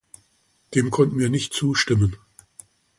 Dem konnten wir nicht zustimmen.